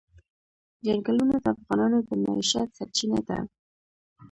چنګلونه د افغانانو د معیشت سرچینه ده.